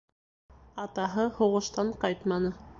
Атаһы һуғыштан ҡайтманы.